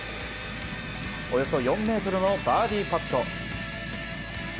およそ４ｍのバーディーパット。